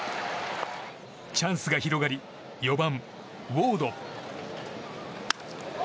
チャンスが広がり４番、ウォード。